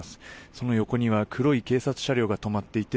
その横には黒い警察車両が止まっていて